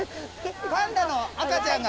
パンダの赤ちゃんが。